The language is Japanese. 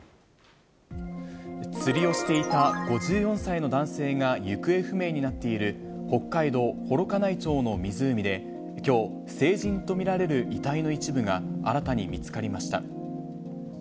釣りをしていた５４歳の男性が行方不明になっている、北海道幌加内町の湖できょう、成人と見られる遺体の一部が新たに見つかりました。